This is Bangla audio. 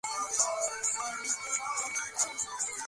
নন্দ থাকিয়া থাকিয়া গাড়িটার দিকে চাহিতেছিল।